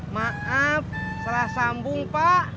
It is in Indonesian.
maaf salah sambung pak